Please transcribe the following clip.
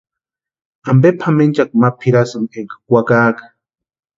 ¿Ampe pʼamenchakwa ma pʼirasïnki énka kwakaaka?